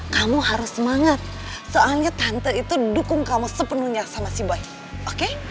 kamu harus semangat soalnya tante itu dukung kamu sepenuhnya sama si bayi oke